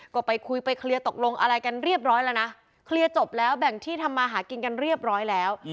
ก็ไปคุยไปเคลียร์ตกลงอะไรกันเรียบร้อยแล้วนะเคลียร์จบแล้วแบ่งที่ทำมาหากินกันเรียบร้อยแล้ว